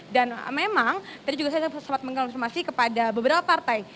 dan memang tadi juga saya sempat mengkonfirmasi kepada beberapa partai